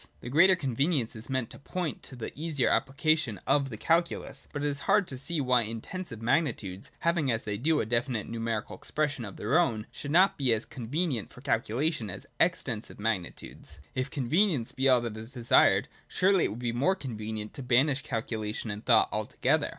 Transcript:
This greater convenience is meant to point to the easier application of the calculus : but it is hard to see why Intensive magnitudes, having, as they do, a definite numerical expression of their own, should not be as con venient for calculation as Extensive magnitudes. If con venience be all that is desired, surely it would be more con venient to banish calculation and thought altogether.